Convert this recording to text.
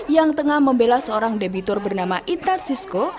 yang tengah membela seorang debitor bernama ita sisko